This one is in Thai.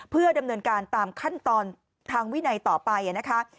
เพื่อดำเนินการตามขั้นตอนทางวินัยต่อไปนะคะ